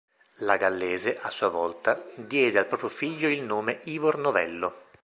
La gallese, a sua volta, diede al proprio figlio il nome Ivor Novello.